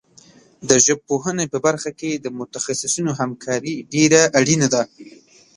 د ژبپوهنې په برخه کې د متخصصینو همکاري ډېره اړینه ده.